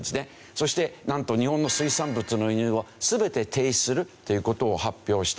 そしてなんと日本の水産物の輸入を全て停止するという事を発表したというわけですよね。